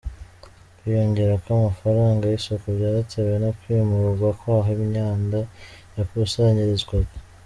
Kwiyongera kw’amafaranga y’isuku byatewe no kwimurwa kw’aho imyanda yakusanyirizwaga